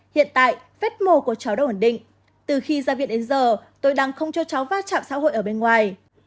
hiện tại vết mồ của cháu đã ổn định từ khi ra viện đến giờ tôi đang không cho cháu phát trạm xã hội ở bên ngoài